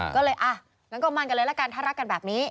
ก็เลยอ่ะงั้นก็มั่นกันเลยละกันถ้ารักกันแบบนี้